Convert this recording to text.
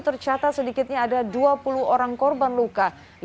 tercatat sedikitnya ada dua puluh orang korban luka